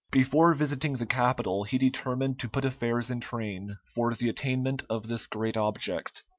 Before visiting the capital he determined to put affairs in train for the attainment of this great object.